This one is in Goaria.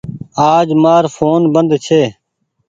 آج مآر ڦون بند ڇي